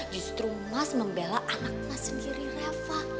justru mas membela anak mas sendiri reva